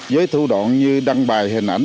với thủ đoạn như đăng bài hình ảnh